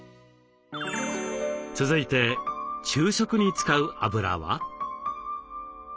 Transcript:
続いて昼食に使うあぶらは？